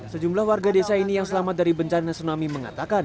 sejumlah warga desa ini yang selamat dari bencana tsunami mengatakan